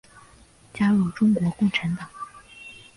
加入中国共产党。